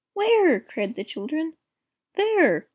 "Where?" cried the children. "There!